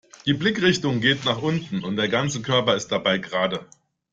Die Blickrichtung geht nach unten und der ganze Körper ist dabei gerade.